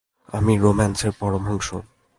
আমি রোম্যান্সের পরমহংস।